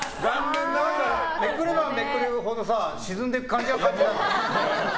めくればめくるほど沈んでいく感じだったよ。